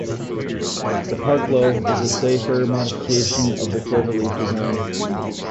The parclo is a safer modification of the cloverleaf design.